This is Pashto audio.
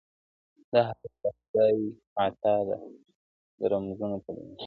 دا حالت د خدای عطاء ده، د رمزونو په دنيا کي.